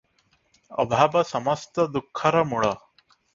ଅଭାବ ସମସ୍ତ ଦୁଃଖର ମୂଳ ।